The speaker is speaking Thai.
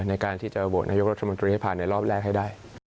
ในการที่จะโหวตนายกรัฐมนตรีให้ผ่านในรอบแรกให้ได้